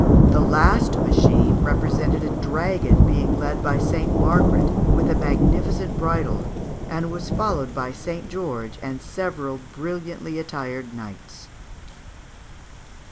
The last machine represented a dragon being led by St. Margaret with a magnificent bridle, and was followed by St. George and several brilliantly attired knights.